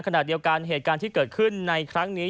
ขณะเดียวกันเหตุการณ์ที่เกิดขึ้นในครั้งนี้